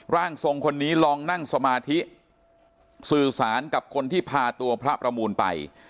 ร่างทรงคนนี้ลองนั่งสมาธิสื่อสารกับคนที่พาตัวพระประมูลไป